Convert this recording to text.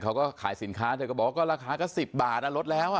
เขาก็ขายสินค้าเธอก็บอกว่าก็ราคาก็๑๐บาทลดแล้วอ่ะ